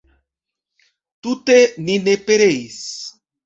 Tute ni ne pereis!